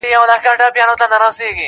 • یو د بل په صفتونو به ګویان وه -